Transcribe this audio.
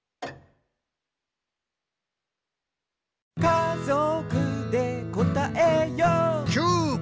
「かぞくでこたえよう」キュー！